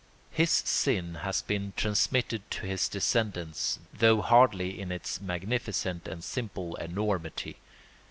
His sin has been transmitted to his descendants, though hardly in its magnificent and simple enormity.